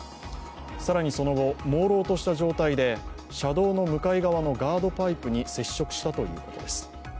更にその後、もうろうとした状態で車道の向かい側のガードパイプに接触したということです。